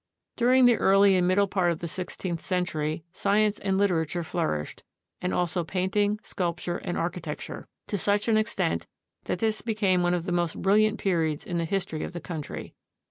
During the early and middle part of the sixteenth century science and literature flourished, and also painting, sculpture, and architecture, to such an extent that this became one of the most brilliant periods in the history of the country.